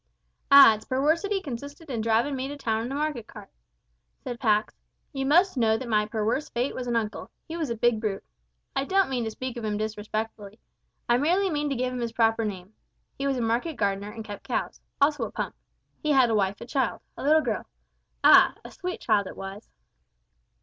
"Ah, its perwersity consisted in drivin' me into town in a market cart," said Pax. "You must know that my perwerse fate was a uncle. He was a big brute. I don't mean to speak of 'im disrespectfully. I merely give 'im his proper name. He was a market gardener and kept cows also a pump. He had a wife and child a little girl. Ah! a sweet child it was."